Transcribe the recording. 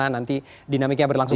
bagaimana nanti dinamiknya berlangsung